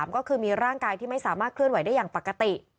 ก็คือมีร่างกายที่ไม่สามารถเคลื่อนไหวได้อย่างปกติ